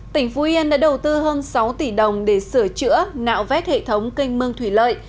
tỉnh phú yên đã đầu tư hơn sáu tỷ đồng để sửa chữa nạo vét hệ thống kênh mương thủy lợi